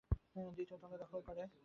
দ্বিতীয় তলা দখল কর।